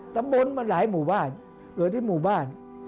ตำบลมันหลายหมู่บ้านเหลือที่หมู่บ้าน